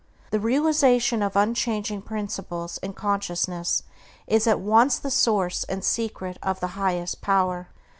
The realization of unchanging principles in consciousness is at once the source and secret of the highest power.